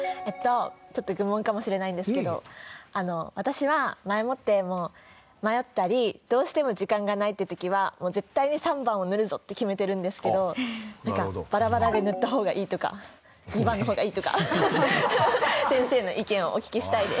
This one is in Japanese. ちょっと愚問かもしれないんですけど私は前もって迷ったりどうしても時間がないって時は絶対に３番を塗るぞ！って決めてるんですけどバラバラで塗った方がいいとか２番の方がいいとか先生の意見をお聞きしたいです。